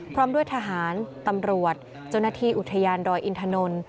พร้อมด้วยทหารตำรวจเจ้าหน้าที่อุทยานดอยอินทนนท์